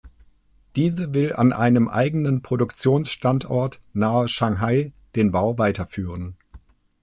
Diese will an einem eigenen Produktionsstandort nahe Shanghai den Bau weiterführen.